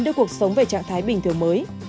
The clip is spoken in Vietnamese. đưa cuộc sống về trạng thái bình thường mới